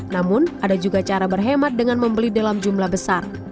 namun ada juga cara berhemat dengan membeli dalam jumlah besar